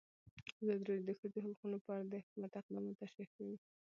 ازادي راډیو د د ښځو حقونه په اړه د حکومت اقدامات تشریح کړي.